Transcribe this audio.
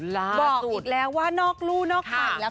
บอกอีกแล้วว่านอกลู่นอกทางอีกแล้ว